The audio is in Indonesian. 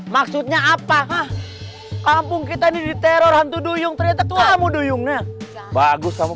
maksudnya apa kampung kita di teror hantu doyong ternyata kamu doyongnya bagus kamu